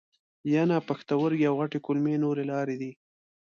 ینه، پښتورګي او غټې کولمې نورې لارې دي.